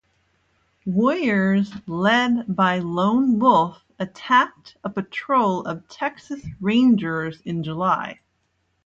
Warriors led by Lone Wolf attacked a patrol of Texas Rangers in July.